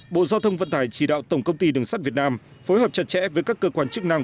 bộ giao thông vận tải chỉ đạo tổng công ty đường sắt việt nam phối hợp chặt chẽ với các cơ quan chức năng